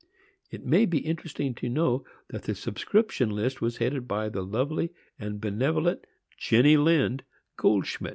It may be interesting to know that the subscription list was headed by the lovely and benevolent Jenny Lind Goldschmidt.